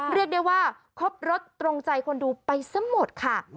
เรียกได้ว่าครบรสตรงใจคนดูไปซะหมดค่ะ